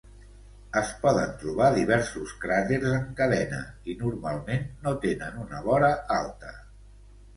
Es poden trobar diversos cràters en cadena i normalment no tenen una vora alta.